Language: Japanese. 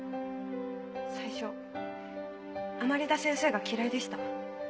最初甘利田先生が嫌いでした。